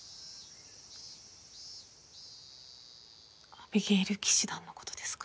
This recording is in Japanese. アビゲイル騎士団の事ですか？